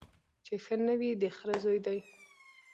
چي ښه نه وي د خره زوی دی